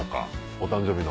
お誕生日の。